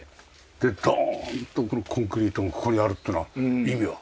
でドーンとこのコンクリートがここにあるっていうのは意味は？